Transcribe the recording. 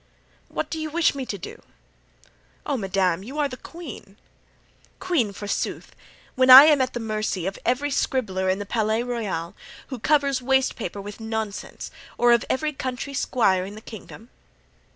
'" "What do you wish me to do?" "Oh, madame! you are the queen!" "Queen, forsooth! when I am at the mercy of every scribbler in the Palais Royal who covers waste paper with nonsense, or of every country squire in the kingdom."